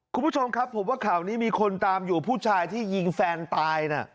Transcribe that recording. คุณผู้ชมครับผมว่าข่าวนี้มีคนตามอยู่ผู้ชายที่ยิงแฟนตายน่ะ